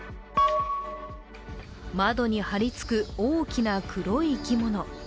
窓に張り付く大きな黒い生き物。